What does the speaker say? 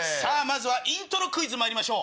イントロクイズまいりましょう。